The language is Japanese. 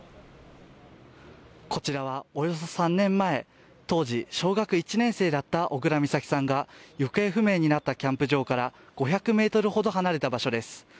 こちらはおよそ３年前当時小学１年生だった小倉美咲さんが行方不明になったキャンプ場から５００ｍほど離れた場所です。